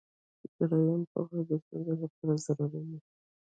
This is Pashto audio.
دریمه پوهه د ستونزې لپاره ضروري وي.